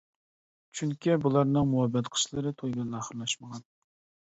چۈنكى بۇلارنىڭ مۇھەببەت قىسسىلىرى توي بىلەن ئاخىرلاشمىغان.